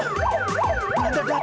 sik berjalan kak